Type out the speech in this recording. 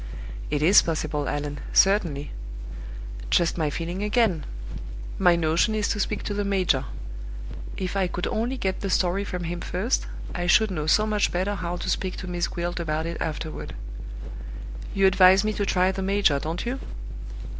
"It is possible, Allan, certainly." "Just my feeling again! My notion is to speak to the major. If I could only get the story from him first, I should know so much better how to speak to Miss Gwilt about it afterward. You advise me to try the major, don't you?"